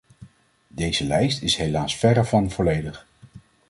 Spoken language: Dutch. Deze lijst is helaas verre van volledig.